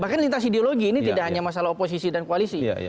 bahkan lintas ideologi ini tidak hanya masalah oposisi dan koalisi